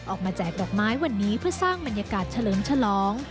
แจกดอกไม้วันนี้เพื่อสร้างบรรยากาศเฉลิมฉลอง